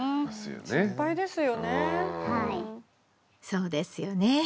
そうですよね。